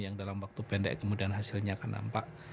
yang dalam waktu pendek kemudian hasilnya akan nampak